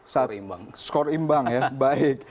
skor imbang ya baik